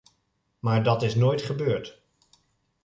Maar dat is nooit gebeurd.